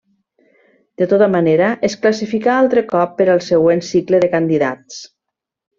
De tota manera, es classificà altre cop per al següent cicle de Candidats.